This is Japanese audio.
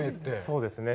そうですね。